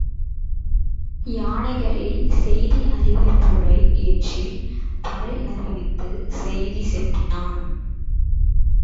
யானைகளில் செய்தி அறிவிப்போரை ஏற்றிப் பறை அறிவித்துச் செய்தி செப்பினான்.